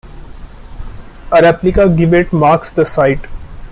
A replica gibbet marks the site.